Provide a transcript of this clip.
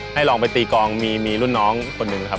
ให้ลองไปตีกลองมีรุ่นน้องคนนึงครับ